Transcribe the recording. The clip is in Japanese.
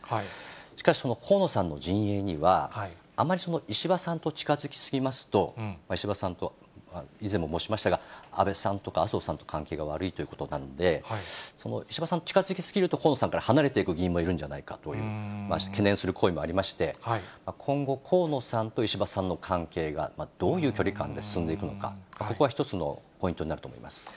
しかし、その河野さんの陣営には、あまり石破さんと近づきすぎますと、石破さんと、以前も申しましたが、安倍さんとか麻生さんとの関係が悪いということなんで、石破さん、近づき過ぎると、河野さんから離れていく議員もいるんじゃないかという、懸念する声もありまして、今後、河野さんと石破さんの関係が、どういう距離感で進んでいくのか、ここは一つのポイントになると思います。